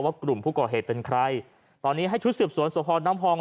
กลุ่มผู้ก่อเหตุเป็นใครตอนนี้ให้ชุดสืบสวนสพน้ำพอง